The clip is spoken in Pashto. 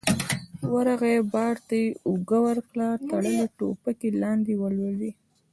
ورغی، بار ته يې اوږه ورکړه، تړلې ټوپکې لاندې ولوېدې.